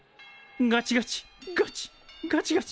ガチガチガチガチガチ。